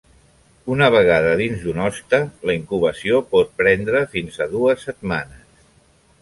Una vegada dins d'un hoste, la incubació pot prendre fins a dues setmanes.